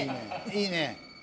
いいね！